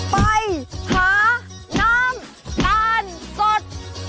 ไปหาน้ำตาลสด